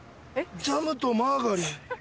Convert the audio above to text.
ジャムとマーガリン。